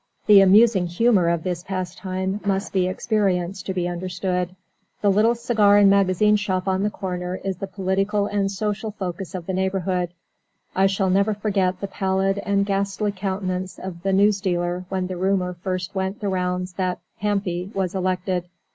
The amusing humour of this pastime must be experienced to be understood. The little cigar and magazine shop on the corner is the political and social focus of the neighbourhood. I shall never forget the pallid and ghastly countenance of the newsdealer when the rumour first went the rounds that "Hampy" was elected.